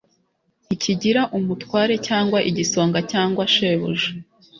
Ntikigira umutware cyangwa igisonga cyangwa shebuja